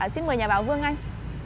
xin mời nhà báo vương anh